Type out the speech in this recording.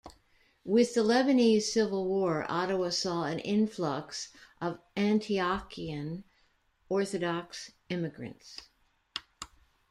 With the Lebanese Civil War Ottawa saw an influx of Antiochian Orthodox immigrants.